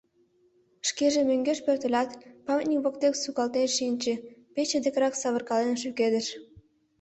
Шкеже мӧҥгеш пӧртылят, памятник воктек сукалтен шинче, пече декырак савыркален шӱкедыш.